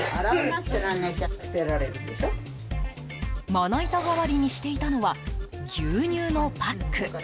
まな板代わりにしていたのは牛乳のパック。